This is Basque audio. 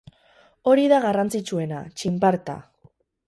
Hori da garrantzitsuena, txinparta.